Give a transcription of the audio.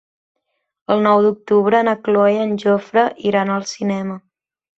El nou d'octubre na Cloè i en Jofre iran al cinema.